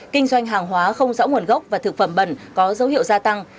kinh doanh hàng hóa không rõ nguồn gốc và thực phẩm bẩn có dấu hiệu gia tăng